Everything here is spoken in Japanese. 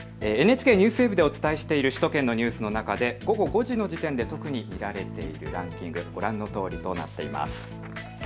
ＮＨＫＮＥＷＳＷＥＢでお伝えしている首都圏のニュースの中で午後５時の時点で特に見られているランキング、ご覧のとおりとなっています。